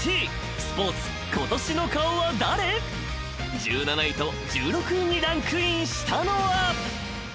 ［１７位と１６位にランクインしたのは］